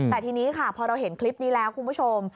แต่ทีนี้ค่ะพอเราเห็นคลิปนี้แล้วคุณผู้ชม